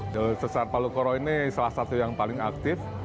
jalur sesar palu koro ini salah satu yang paling aktif